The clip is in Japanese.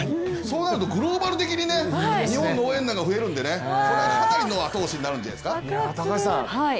そうなるとグローバル的に日本の応援団が増えるのでこれはかなりの後押しになるんじゃないですか。